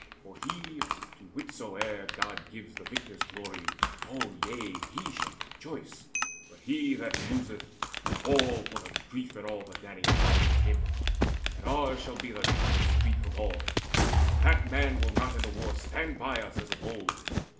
For he, To whichsoe'er God gives the victor's glory O yea, he shall rejoice! But he that loseth All for the grief in all the Danaans' hearts For him! And ours shall be the deepest grief Of all; for that man will not in the war Stand by us as of old.